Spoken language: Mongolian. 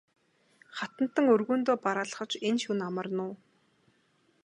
Хатантан өргөөндөө бараалхаж энэ шөнө амарна уу?